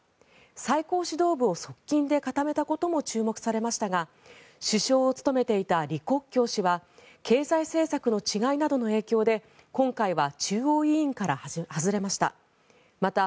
最高指導部を側近で固めたことも注目されましたが首相を務めていた李克強氏は経済政策の違いなどの影響で今回は中央委員から外れました。